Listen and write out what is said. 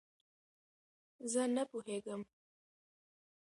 زه نه پوهېږم